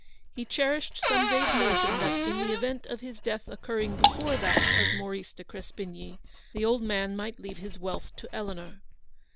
He cherished some vague notion that, in the event of his death occurring before that of Maurice de Crespigny, the old man might leave his wealth to Eleanor.